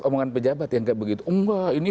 omongan pejabat yang kayak begitu enggak ini